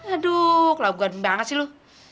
aduh kelabuhan banget sih lu